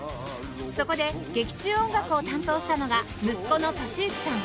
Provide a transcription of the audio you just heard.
そこで劇中音楽を担当したのが息子の俊幸さん